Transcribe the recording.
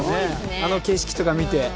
あの景色とか見て。